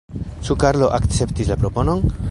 Ĉu Karlo akceptis la proponon?